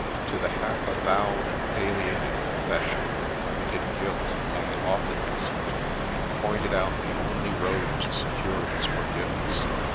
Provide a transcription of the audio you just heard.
' To the half avowed and palliated confession of committed guilt I 'had often listened, and pointed out the only road to secure its forgiveness.